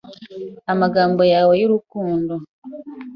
Amagambo yawe y’urukundo